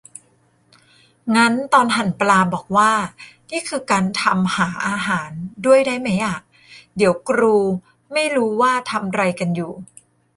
งั้นตอนหั่นปลาบอกว่า "นี่คือการทำหาอาหาร" ด้วยได้ไหมอ่ะ เดี๋ยวกรูไม่รู้ว่าทำไรกันอยู่